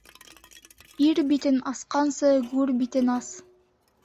Ир битен асҡансы гүр битен ас.